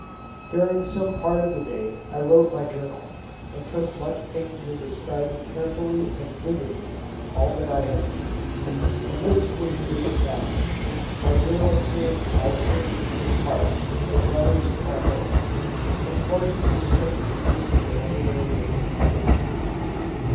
During some part of the day I wrote my Journal, and took much pains in describing carefully and vividly all that I had seen; and this was good practice. My Journal served also, in part, as letters to my home, and portions were sent to England whenever there was an opportunity.